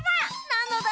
なのだ！